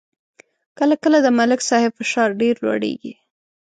کله کله د ملک صاحب فشار ډېر لوړېږي.